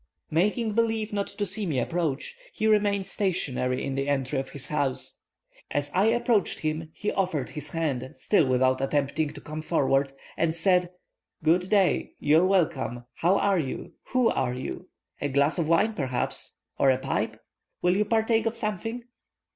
"Making believe not to see me approach, he remained stationary in the entry of his house. As I approached him, he offered his hand, still without attempting to come forward, and said, 'Good day! You are welcome! How are you? Who are you? A glass of wine perhaps? or a pipe? Will you partake of something?'